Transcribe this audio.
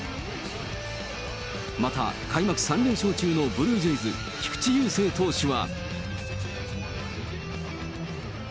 また、開幕３連勝中のブルージェイズ、菊池雄星投手は。